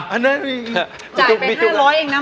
จ่ายไป๕๐๐เองนะ